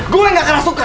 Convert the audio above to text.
gue gak kerasukan